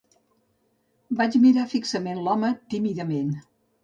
Vaig mirar fixament l'home tímidament.